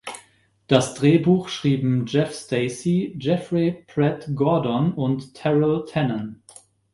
Das Drehbuch schrieben Jeff Stacy, Jeffrey Pratt Gordon und Terrell Tannen.